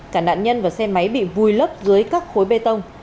cả nạn nhân và xe máy bị vùi lấp dưới các khối bê tông